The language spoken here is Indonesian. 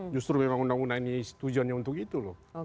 justru memang undang undang ini tujuannya untuk itu loh